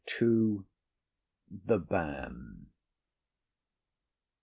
THE BAN.